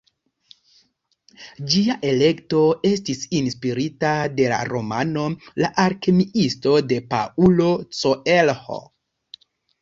Ĝia elekto estis inspirita de la romano "La alkemiisto" de Paulo Coelho.